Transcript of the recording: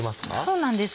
そうなんです